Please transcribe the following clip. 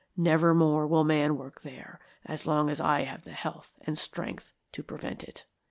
Never more will man work there as long as I have the health and strength to prevent it."